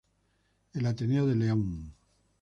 El Ateneo de León.